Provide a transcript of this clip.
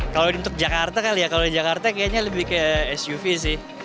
kalau untuk jakarta kali ya kalau jakarta kayaknya lebih ke suv sih